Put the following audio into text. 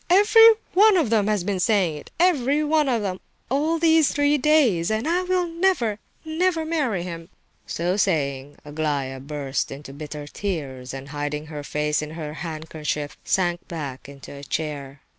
"Every one of them has been saying it—every one of them—all these three days! And I will never, never marry him!" So saying, Aglaya burst into bitter tears, and, hiding her face in her handkerchief, sank back into a chair.